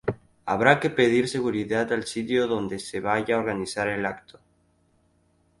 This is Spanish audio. habrá que pedir seguridad al sitio dónde se vaya a organizar el acto